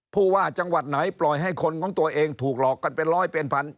ผู้ว่าจังหวัดไหนปล่อยให้คนของตัวเองถูกหลอกกันเป็นร้อยเป็นพัน